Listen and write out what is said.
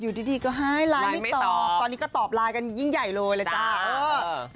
อยู่ดีก็ให้ไลน์ไม่ตอบตอนนี้ก็ตอบไลน์กันยิ่งใหญ่เลยเลยจ้า